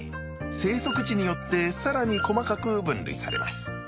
生息地によって更に細かく分類されます。